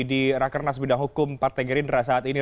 di raker nas bidang hukum partai gerindra saat ini